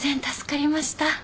助かりました。